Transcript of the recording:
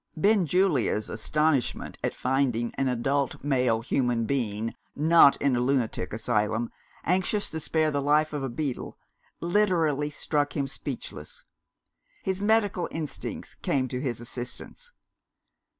Benjulia's astonishment at finding an adult male human being (not in a lunatic asylum) anxious to spare the life of a beetle, literally struck him speechless. His medical instincts came to his assistance.